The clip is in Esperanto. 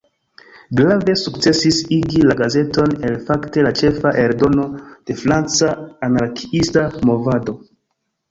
Grave sukcesis igi la gazeton el fakte la "ĉefa" eldono de franca anarkiista movado.